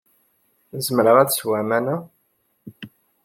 Zemreɣ ad sweɣ aman-a?